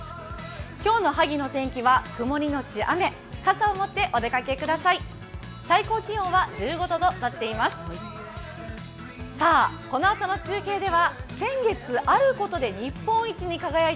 今日の萩の天気は曇りのち雨、傘を持ってお出かけください。